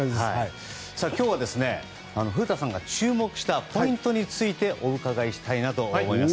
今日は、古田さんが注目したポイントについてお伺いしたいと思います。